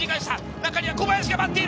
中には小林が待っている。